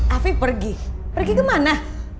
afif pergi pergi kemana